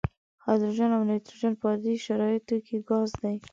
هایدروجن او نایتروجن په عادي شرایطو کې ګاز دي.